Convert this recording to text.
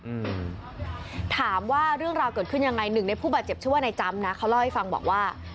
อืมถามว่าเรื่องราวเกิดขึ้นยังไงหนึ่งในผู้บาดเจ็บชื่อว่านายจำนะเขาเล่าให้ฟังบอกว่า